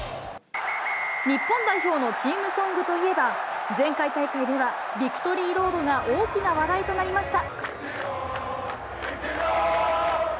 日本代表のチームソングといえば、前回大会では、ビクトリーロードが大きな話題となりました。